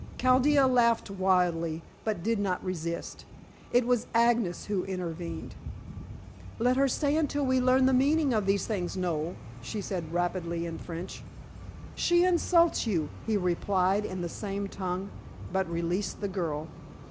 Chaldea laughed wildly, but did not resist. It was Agnes who intervened. "Let her stay until we learn the meaning of these things, Noel," she said rapidly in French. "She insults you," he replied, in the same tongue, but released the girl.